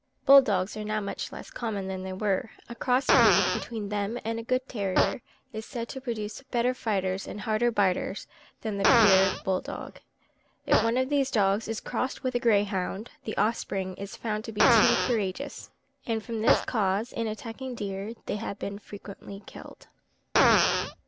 Bull dogs are now much less common than they were. A cross breed between them and a good terrier is said to produce better fighters and harder biters than the pure bull dog. If one of these dogs is crossed with a greyhound, the offspring is found to be too courageous, and from this cause in attacking deer they have been frequently killed.